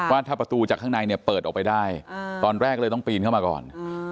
ว่าถ้าประตูจากข้างในเนี่ยเปิดออกไปได้ตอนแรกเลยต้องปีนเข้ามาก่อน